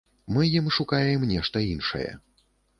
Мы ім шукаем нешта іншае.